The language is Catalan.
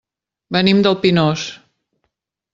Venim del Pinós.